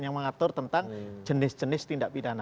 yang mengatur tentang jenis jenis tindak pidana